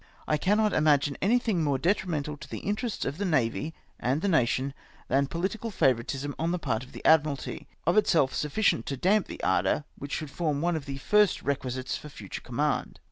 I cannot imagine an3;1:hing more detri mental to the interests of the Navy and the nation, than pohtical favouritism on the part of the Admi ralty — of itself sufficient to damp that ardour which should form one of the first requisites for future command.